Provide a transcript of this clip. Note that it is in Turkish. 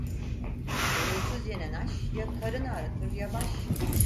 Gönülsüz yenen aş, ya karın ağrıtır ya baş.